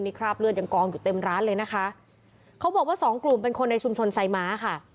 คราบเลือดยังกองอยู่เต็มร้านเลยนะคะเขาบอกว่าสองกลุ่มเป็นคนในชุมชนไซม้าค่ะ